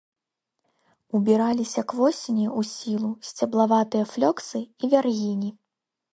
Убіраліся к восені ў сілу сцеблаватыя флёксы і вяргіні.